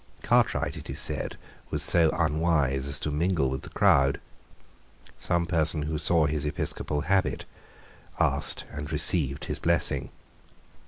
Cartwright, it is said, was so unwise as to mingle with the crowd. Some person who saw his episcopal habit asked and received his blessing.